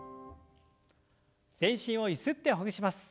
全身をゆすってほぐします。